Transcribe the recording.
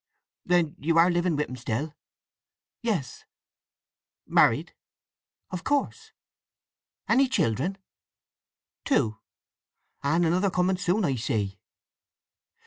"Then you are living with him still?" "Yes." "Married?" "Of course." "Any children?" "Two." "And another coming soon, I see."